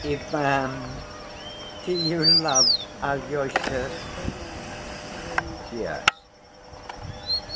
Ivan, do you love Alyosha?" "Yes."